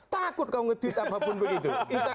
takut kau ngetweet apapun begitu